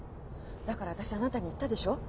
だから私あなたに言ったでしょう？